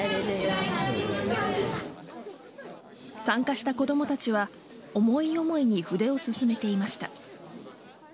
参加した子供たちは思い思いに筆を進めていました。